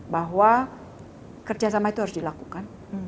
bahwa kerja sama itu harus dilakukan